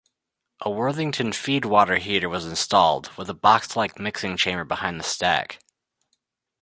A Worthington feedwater heater was installed, with a boxlike mixing chamber behind the stack.